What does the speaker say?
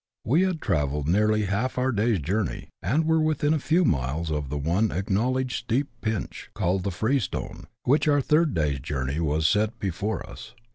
We had travelleil nearly half our day's journey, aud were within a few ndles of the one acknowleilged steep pinch, called the ''Freestone," which our third day's journey was to set befoi*© us.